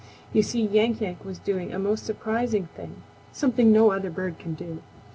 You see, Yank Yank was doing a most surprising thing, something no other bird can do.